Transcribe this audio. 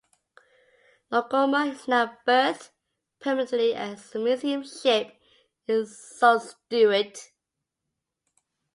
"Norgoma" is now berthed permanently as a museum ship in Sault Ste.